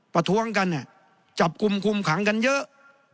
ปะท้วงกันอ่ะจับกุมกุมขังกันเยอะ